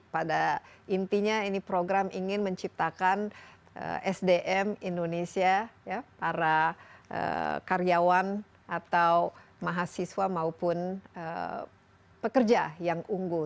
pada intinya ini program ingin menciptakan sdm indonesia para karyawan atau mahasiswa maupun pekerja yang unggul